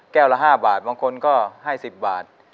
ละ๕บาทบางคนก็ให้๑๐บาท